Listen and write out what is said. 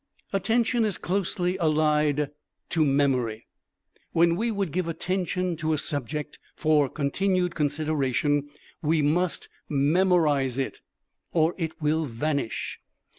Attention is closely allied to Memory; when we would give attention to a subject for continued consideration, we must "memorize" it, or it will vanish.